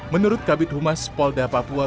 menurut kabit humas polda papua